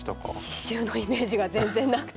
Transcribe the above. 刺しゅうのイメージが全然なくて。